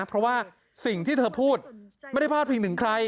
เพราะว่าสิ่งที่เธอพูดไม่ได้พลาดพิงถึงใคร